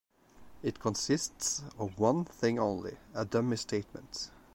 It consists of one thing only; a dummy statement.